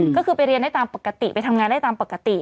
ก็คือไปเรียนได้ตามปกติไปทำงานได้ตามปกติ